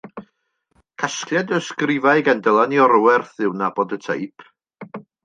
Casgliad o ysgrifau gan Dylan Iorwerth yw Nabod y Teip.